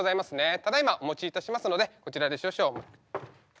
ただいまお持ちいたしますのでこちらで少々。